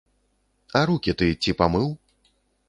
А рукі ты ці памыў?